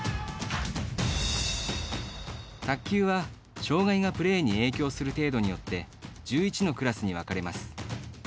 卓球は、障がいがプレーに影響する程度によって１１のクラスに分かれます。